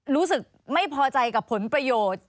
รู้สึกไม่พอใจกับผลประโยชน์